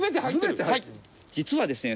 実はですね